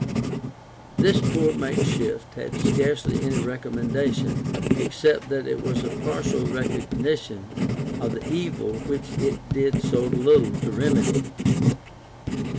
This poor makeshift had scarcely any recommendation, except that it was a partial recognition of the evil which it did so little to remedy.